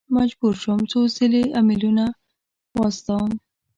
مجبور شوم څو ځل ایمیلونه واستوم.